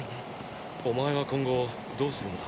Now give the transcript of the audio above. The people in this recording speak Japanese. お前は今後どうするのだ？